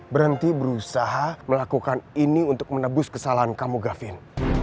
berhenti berusaha melakukan ini untuk menebus kesalahan kamu gavin